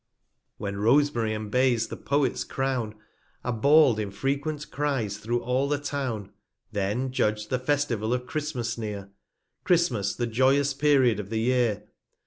When Rosemary, and Bays, the Poet's Crown, 315 Are bawl'd, in frequent Cries, through all the Town, Then judge the Festival of Christmas near, Christmas, the joyous Period of the Year.